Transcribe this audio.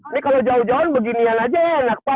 ini kalau jauh jauh beginian aja enak pak